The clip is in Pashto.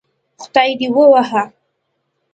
خدای دې ووهه